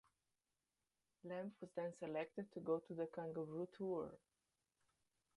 Lamb was then selected to go on the Kangaroo Tour.